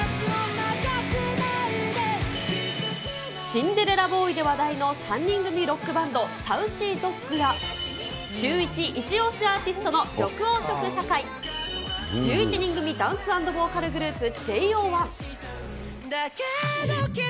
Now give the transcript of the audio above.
シンデレラボーイで話題の３人組ロックバンド、サウシードッグや、シューイチイチオシアーティストの緑黄色社会、１１人組ダンス＆ボーカルグループ、ＪＯ１。